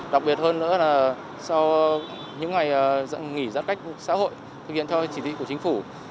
đặc biệt hơn nữa là sau những ngày dặn nghỉ giát cách xã hội thực hiện theo chỉ thị của chính phủ